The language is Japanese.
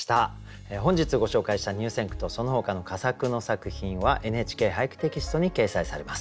本日ご紹介した入選句とそのほかの佳作の作品は「ＮＨＫ俳句」テキストに掲載されます。